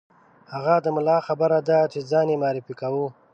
هغه د ملا خبره ده چې ځان یې معرفي کاوه.